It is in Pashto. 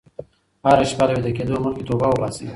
هره شپه له ویده کېدو مخکې توبه وباسئ.